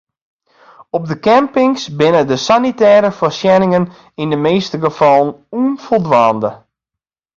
Op de campings binne de sanitêre foarsjenningen yn de measte gefallen ûnfoldwaande.